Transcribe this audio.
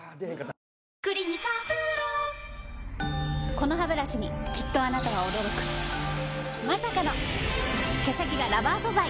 このハブラシにきっとあなたは驚くまさかの毛先がラバー素材！